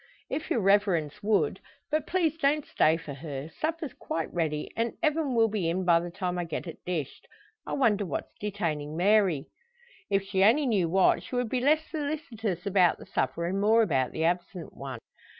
"If your reverence would. But please don't stay for her. Supper's quite ready, and Evan will be in by the time I get it dished. I wonder what's detaining Mary!" If she only knew what, she would be less solicitous about the supper, and more about the absent one.